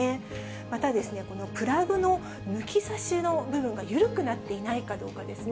またですね、プラグの抜き差しの部分が緩くなっていないかどうかですね。